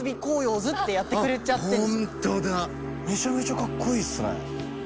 めちゃめちゃかっこいいっすね。